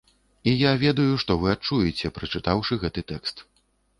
І я ведаю, што вы адчуеце, прачытаўшы гэты тэкст.